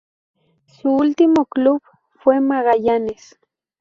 Su último club fue Magallanes.